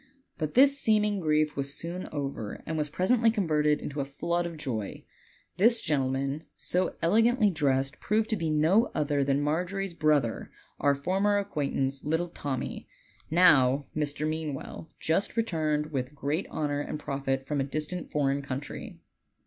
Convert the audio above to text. But this seeming grief was soon over and was presently converted into a flood of joy. This gentleman, so elegantly dressed, proved to be no other than Margery's brother, our former acquaintance, little Tommy, now Mr. Mean well, just returned with great honor and profit from a distant foreign country.